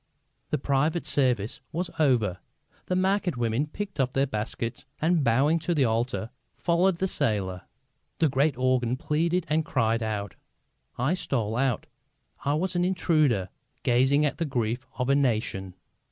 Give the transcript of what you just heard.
The private service was over; the market women picked up their baskets and, bowing to the altar, followed the sailor. The great organ pleaded and cried out. I stole out. I was an intruder, gazing at the grief of a nation.